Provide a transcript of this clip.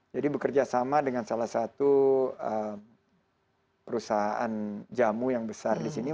jadi bekerja sama dengan salah satu perusahaan jamu yang besar di sini